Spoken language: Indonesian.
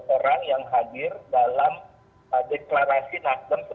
orang yang hadir dalam deklarasi nasdem